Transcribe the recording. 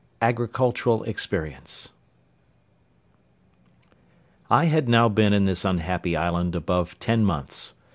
AGRICULTURAL EXPERIENCE I had now been in this unhappy island above ten months.